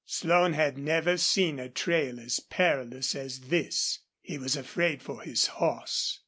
Slone had never seen a trail as perilous as this. He was afraid for his horse.